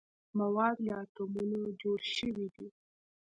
مواد له اتومونو جوړ شوي دي.